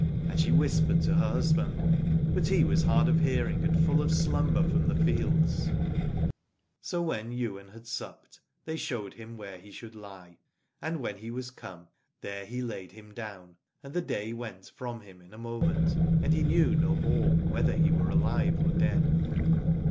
And she whispered to her husband, but he was hard of hearing and full of slumber from the fields. So when Ywain had supped, they showed him where he should lie. And when he was come there he laid him down, and the day went from him in a moment and he knew no more whether he were alive or dead.